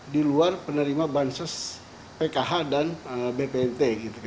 diluar penerima banses pkh dan bpnt